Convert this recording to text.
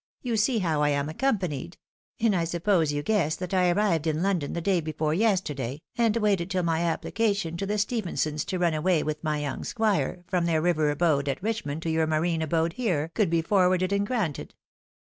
Tou see how I am accompanied — and I suppose you guess that I arrived in London the day before yesterday, and waited till my appUcation to the Stephensons to run away with my young squire, from their river abode at Richmond to your marine abode here, could be forwarded and granted.